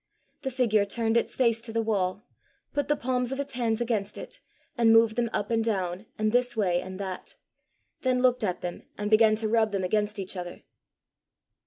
The figure turned its face to the wall, put the palms of its hands against it, and moved them up and down, and this way and that; then looked at them, and began to rub them against each other.